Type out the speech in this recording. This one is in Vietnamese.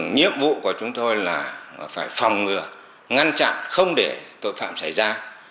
nhiệm vụ của chúng tôi là phải phòng ngừa ngăn chặn không để tội phạm xảy ra